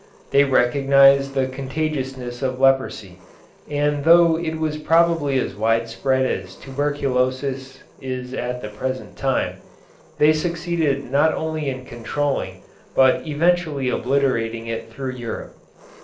They recognized the contagiousness of leprosy, and though it was probably as widespread as tuberculosis is at the present time, they succeeded not only in controlling but in eventually obliterating it throughout Europe.